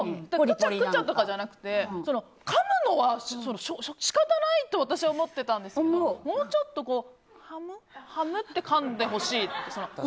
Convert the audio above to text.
クチャクチャとかじゃなくてかむのは仕方ないと私は思ってたんですけどもうちょっとはむはむってかんでほしいって。